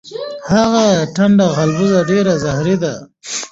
هغه ټنډه غالبوزه ډیره زهری ده.